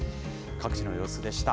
各地の様子でした。